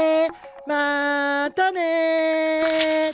またね！